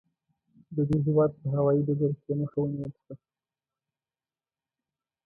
د دې هېواد په هوايي ډګر کې یې مخه ونیول شوه.